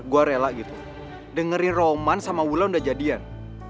mau ngasih tau ke bokapnya ulan kalo ulan sama roman itu pacaran